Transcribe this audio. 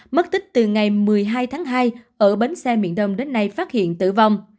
mất tích từ ngày một mươi hai tháng hai ở bến xe miền đông đến nay phát hiện tử vong